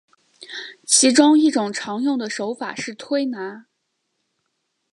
其中一种常用的手法是推拿。